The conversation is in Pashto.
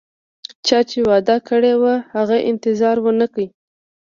چا چې وعده کړي وه، هغه انتظار ونه کړ